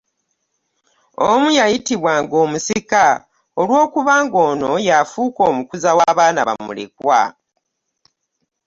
Omu yayitibwanga ‘Omusika ow’enkoba’ ng’ono yafuuka omukuza w’abaana ba mulekwa.